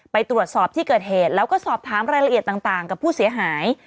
ไปตรวจสอบที่เกิดเหตุแล้วก็สอบถามรายละเอียดต่างกับผู้เสียหาย